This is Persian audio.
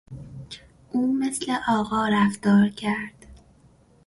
او مثل آقا رفتار کرد.